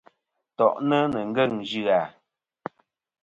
To’ni ni ngeng zya.